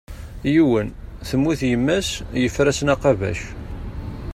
Yiwen, temmut yemma-s, yeffer-asen aqabac.